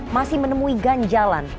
masih menemui ganjalan